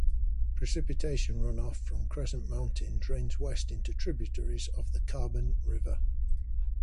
Precipitation runoff from Crescent Mountain drains west into tributaries of the Carbon River.